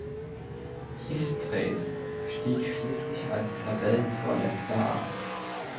Istres stieg schließlich als Tabellenvorletzter ab.